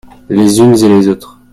Les unes et les autres.